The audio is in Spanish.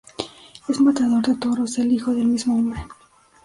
Es matador de toros el hijo del mismo nombre.